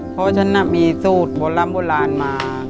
เพราะฉะนั้นมีสูตรบลำบลลานมา